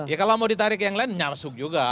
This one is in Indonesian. ya kalau mau ditarik yang lain nyamsuk juga